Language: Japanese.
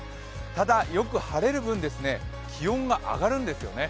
ただ、よく晴れる分、気温が上がるんですよね。